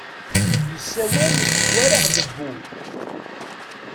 Yessawal war aɣdebbu.